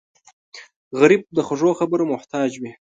غریب د خوږو خبرو محتاج وي